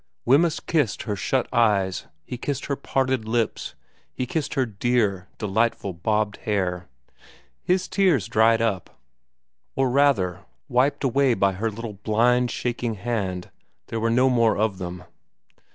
Wemyss kissed her shut eyes, he kissed her parted lips, he kissed her dear, delightful bobbed hair. His tears dried up ; or rather, wiped away by her little blind, shaking hand, there were no more of them.